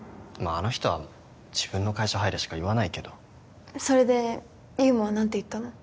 あの人は自分の会社入れしか言わないけどそれで祐馬は何て言ったの？